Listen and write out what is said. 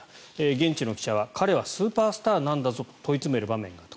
現地の記者は彼はスーパースターなんだぞと問い詰める場面があった。